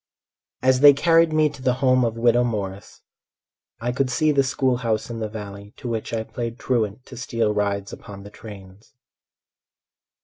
As they carried me to the home of widow Morris I could see the school house in the valley To which I played truant to steal rides upon the trains.